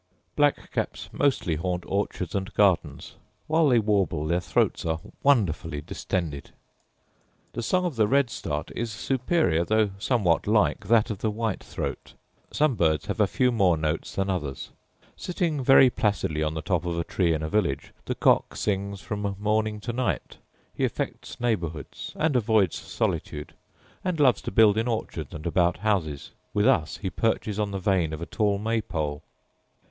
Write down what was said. Black caps mostly haunt orchards and gardens; while they warble their throats are wonderfully distended. The song of the red start is superior, though somewhat like that of the white throat: some birds have a few more notes than others. Sitting very placidly on the top of a tree in a village, the cock sings from morning to night: he affects neighbourhoods, and avoids solitude, and loves to build in orchards and about houses; with us he perches on the vane of a tall maypole.